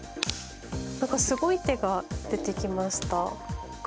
なんかすごい手が出てきましたが。